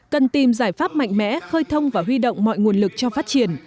cần tìm giải pháp mạnh mẽ khơi thông và huy động mọi nguồn lực cho phát triển